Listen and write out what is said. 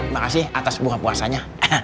makasih atas buka puasanya